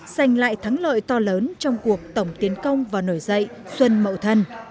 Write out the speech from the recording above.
giành lại thắng lợi to lớn trong cuộc tổng tiến công và nổi dậy xuân mậu thân